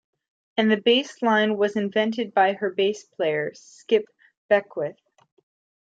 And the bass line was invented by her bass player, Skip Beckwith.